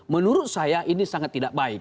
menurut saya ini sangat tidak baik